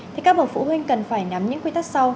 thì các bậc phụ huynh cần phải nắm những quy tắc sau